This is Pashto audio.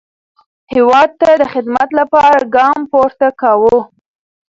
هیواد ته د خدمت لپاره ګام پورته کاوه.